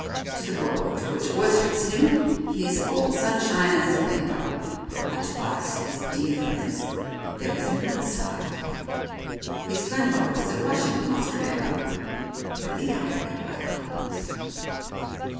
To the world, which worships him, he is all sunshine and splendour, but to us, his dear 94 The Oriolists friends, there is another side. His grandmother was a Russian, you must remember. I think I had better write the poems."